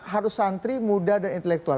harus santri muda dan intelektual